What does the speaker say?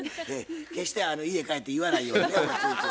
決して家帰って言わないようにね。